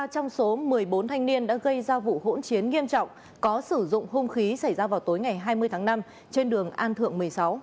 ba trong số một mươi bốn thanh niên đã gây ra vụ hỗn chiến nghiêm trọng có sử dụng hung khí xảy ra vào tối ngày hai mươi tháng năm trên đường an thượng một mươi sáu